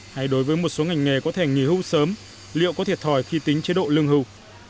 hay đối với một số ngành nghề có thể nghỉ hưu sớm liệu có thiệt thòi khi tính chế độ lương hưu